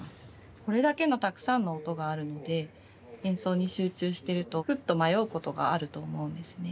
これだけのたくさんの音があるので演奏に集中しているとふっと迷うことがあると思うんですね。